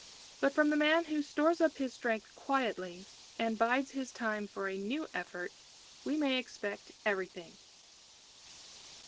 But from the man who stores up his strength quietly and bides his time for a new effort, we may expect everything.